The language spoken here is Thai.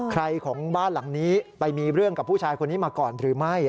ของบ้านหลังนี้ไปมีเรื่องกับผู้ชายคนนี้มาก่อนหรือไม่